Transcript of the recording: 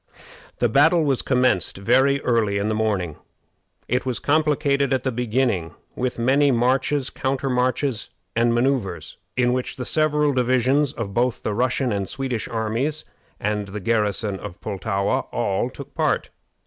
The battle was commenced very early in the morning. It was complicated at the beginning with many marches, countermarches, and manoeuvres, in which the several divisions of both the Russian and Swedish armies, and the garrison of Pultowa, all took part.